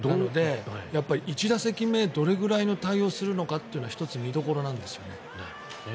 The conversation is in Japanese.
１打席目どれぐらいの対応するのかって１つ、見どころなんですよね。